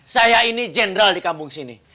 saya ini jendral di kambung sini